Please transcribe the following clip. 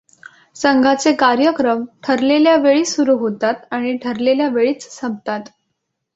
संघाचे कार्यक्रम ठरलेल्या वेळी सुरू होतात आणि ठरलेल्या वेळीच संपतात.